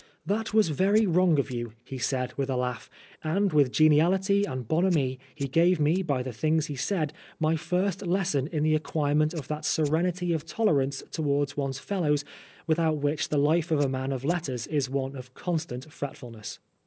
" That was very wrong of you," he said, with a laugh ; and with geniality and bonhomie he gave me, by the things he said, my first lesson in the acquire ment of that serenity of tolerance towards one's fellows without which the life of a man of letters is one of constant fretfulness.